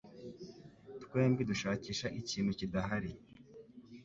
Twembi dushakisha ikintu kidahari.